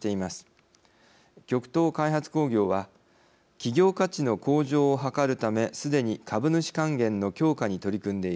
極東開発工業は企業価値の向上を図るためすでに株主還元の強化に取り組んでいる。